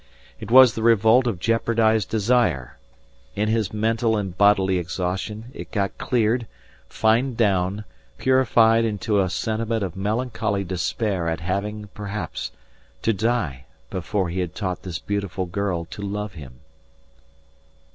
It was the revolt of jeopardised desire. In his mental and bodily exhaustion it got cleared, fined down, purified into a sentiment of melancholy despair at having, perhaps, to die before he had taught this beautiful girl to love him.